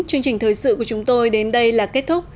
chương trình thời sự của chúng tôi đến đây là kết thúc